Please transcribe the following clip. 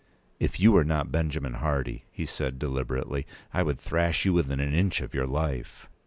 "If you were not Benjamin Hardy," he said, deliberately, "I would thrash you within an inch of your life."